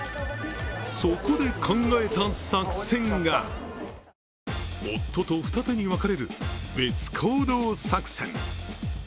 そこで考えた作戦が夫と二手に分かれる別行動作戦。